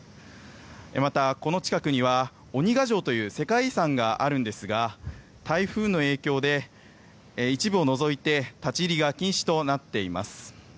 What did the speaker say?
またこの近くには世界遺産があるんですが台風の影響で、一部を除いて立ち入りが禁止となっています。